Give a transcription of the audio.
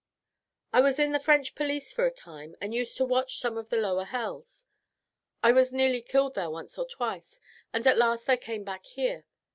"I was in the French police for a time, and used to watch some of the lower hells. I was nearly killed there once or twice, and at last I came back here.